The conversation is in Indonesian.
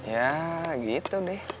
ya gitu deh